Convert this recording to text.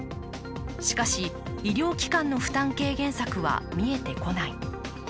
しかし、医療機関の負担軽減策は見えてこない。